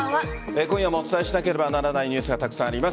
今夜もお伝えしなければならないニュースがたくさんあります。